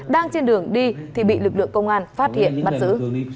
đang trên đường đi thì bị lực lượng công an phát hiện bắt giữ